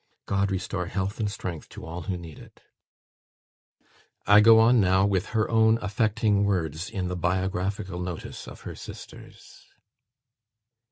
God restore health and strength to all who need it!" I go on now with her own affecting words in the biographical notice of her sisters.